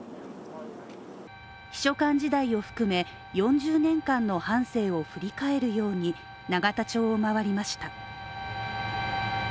秘書官時代を含め４０年間の半生を振り返るように永田町を回りました。